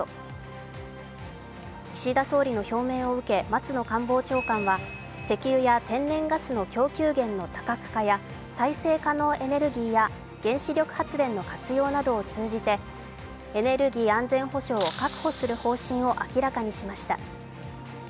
岸田総理の表明を受け、松野官房長官は石油や天然ガスの供給源の多角化や再生可能エネルギーや原子力発電の活用などを通じてエネルギー安全保障を確保する方針を明らかにしました。